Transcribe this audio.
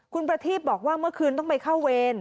คุณประทีบบอกว่าเมื่อคืนต้องไปเข้าเวร